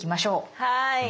はい。